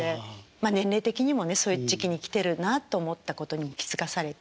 まあ年齢的にもねそういう時期に来てるなあと思ったことにも気付かされて。